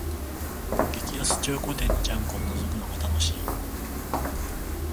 激安中古店のジャンクをのぞくのが楽しい